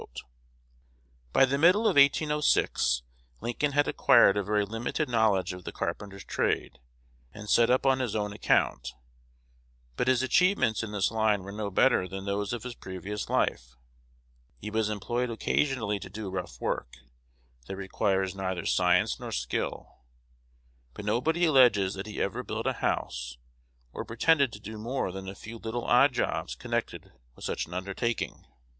By the middle of 1806, Lincoln had acquired a very limited knowledge of the carpenter's trade, and set up on his own account; but his achievements in this line were no better than those of his previous life. He was employed occasionally to do rough work, that requires neither science nor skill; but nobody alleges that he ever built a house, or pretended to do more than a few little odd jobs connected with such an undertaking.